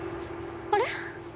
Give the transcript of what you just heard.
あれ？